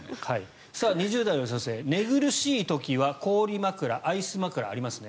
２０代の女性寝苦しい時は氷枕、アイス枕、ありますね。